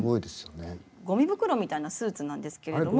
ゴミ袋みたいなスーツなんですけれども。